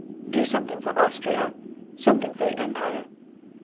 "Do something for Austria something for the Empire."